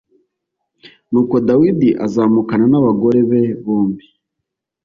Nuko Dawidi azamukana n abagore be bombi